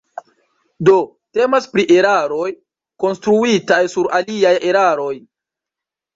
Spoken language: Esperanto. Do temas pri eraroj konstruitaj sur aliaj eraroj.